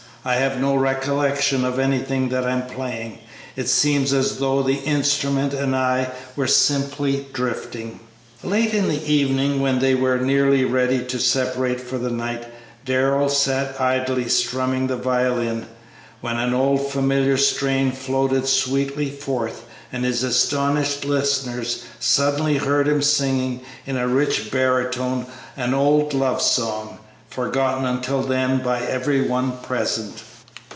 I have no recollection of anything that I am playing; it seems as though the instrument and I were simply drifting." Late in the evening, when they were nearly ready to separate for the night, Darrell sat idly strumming the violin, when an old familiar strain floated sweetly forth, and his astonished listeners suddenly heard him singing in a rich baritone an old love song, forgotten until then by every one present.